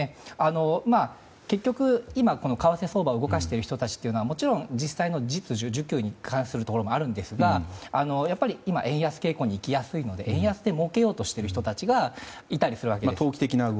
結局、今為替市場を動かしている人たちはもちろん、実際のところに関するところもありますがやっぱり、今は円安傾向にいきやすいのでもうけようとしている人たちがいるわけです。